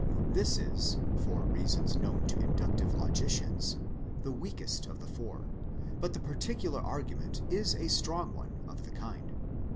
This is, for reasons known to inductive logicians, the weakest of the four, but the particular argument is a strong one of the kind.